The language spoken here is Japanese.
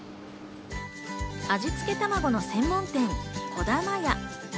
味つけたまごの専門店こだま屋。